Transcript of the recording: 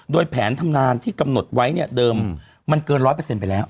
โดยแผนทำงานที่กำหนดไว้เนี่ยเดิมมันเกินร้อยเปอร์เซ็นต์ไปแล้ว